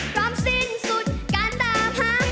พร้อมสิ้นสุดการตาพัก